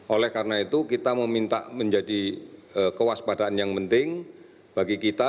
oleh karena itu kita meminta menjadi kewaspadaan yang penting bagi kita